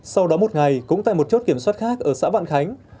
sau đó một ngày cũng tại một chốt kiểm soát khác ở xã vạn khánh